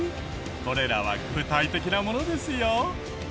これらは具体的なものですよ。